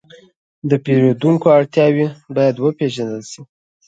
د پیرودونکو اړتیاوې باید وپېژندل شي.